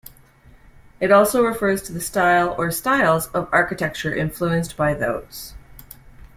It also refers to the style or styles of architecture influenced by those.